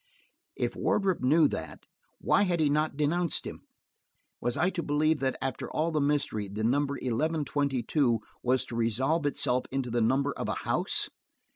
If Wardrop knew that, why had he not denounced him? Was I to believe that, after all the mystery, the number eleven twenty two was to resolve itself into the number of a house?